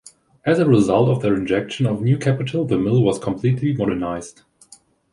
As a result of their injection of new capital the mill was completely modernised.